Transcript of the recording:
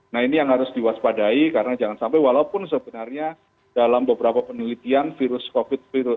nah ini yang harus diwaspadai karena jangan sampai walaupun sebenarnya dalam beberapa penelitian virus covid sembilan belas